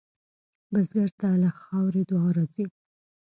بزګر ته له خاورې دعا راځي